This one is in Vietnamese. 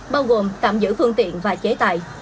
bao gồm tạm giữ phương tiện và chế tài